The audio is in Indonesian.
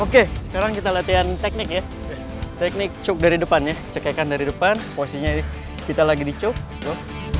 oke sekarang kita latihan teknik ya teknik choke dari depan ya cekekan dari depan posisinya kita lagi di choke go